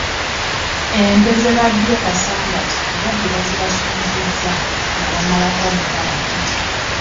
Ente zebabbye e Kasangati ababbi baazibasuuzizza nga bamalako omutala kiti!